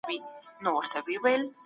د نقاش په قلم جوړ و سر ترنوکه